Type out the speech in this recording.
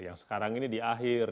yang sekarang ini di akhir